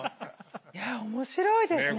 いや面白いですね。